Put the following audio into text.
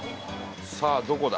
さあどこだ？